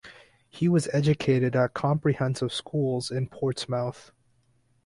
He was educated at comprehensive schools in Portsmouth.